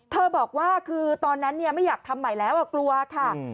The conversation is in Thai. บอกว่าคือตอนนั้นไม่อยากทำใหม่แล้วกลัวค่ะ